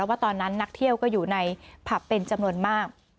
ว่าตอนนั้นนักเที่ยวก็อยู่ในผับเป็นจำนวนมาก